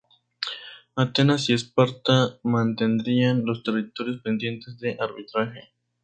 Atenas y Esparta mantendrían los territorios pendientes de arbitraje.